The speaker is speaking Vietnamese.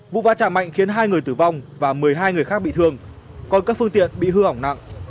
vụ va chạm mạnh khiến hai người tử vong và một mươi hai người khác bị thương còn các phương tiện bị hư hỏng nặng